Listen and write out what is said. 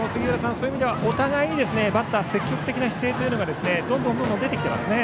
そういう意味ではお互いに積極的な姿勢というのがどんどん出てきていますね。